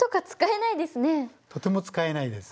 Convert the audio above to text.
とても使えないです。